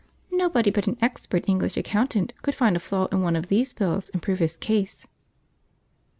Nobody but an expert English accountant could find a flaw in one of these bills and prove his case."